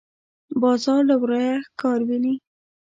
باز له ورايه ښکار ویني